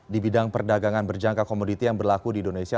di bidang perdagangan berjangka komoditi yang berlaku di indonesia